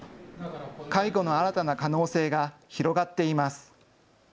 介護の新たな可能性が広がっています。